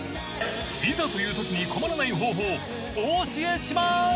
［いざというときに困らない方法お教えします］